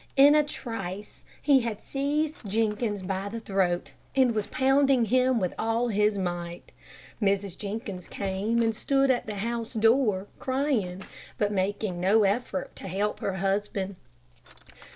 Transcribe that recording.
In a trice he had seized Jenkins by the throat, and was pounding him with all his might. Mrs. Jenkins came and stood at the house door, crying, but making no effort to help her husband.